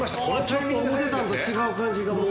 ちょっと思うてたんと違う感じがもう。